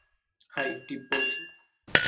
High, Tiff বলছি।